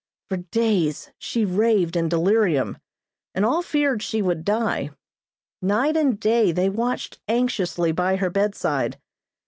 For days she raved in delirium, and all feared she would die. Night and day they watched anxiously by her bedside.